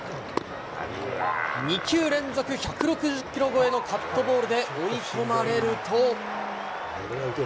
２球連続１６０キロ超えのカットボールで追い込まれると。